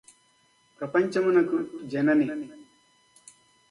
ప్రపంచమునకు జనని